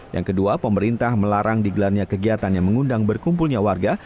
yang kedua pemerintah melarang digelarnya kegiatan yang mengundang berkumpulnya warga